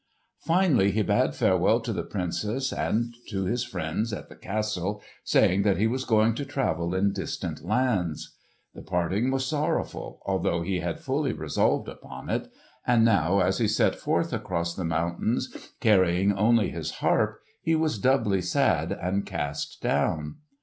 Finally he bade farewell to the Princess, and to his friends at the castle, saying that he was going to travel in distant lands. The parting was sorrowful, although he had fully resolved upon it; and now as he set forth across the mountains carrying only his harp he was doubly sad and cast down.